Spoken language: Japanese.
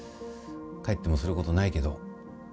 帰ってもすることないけど。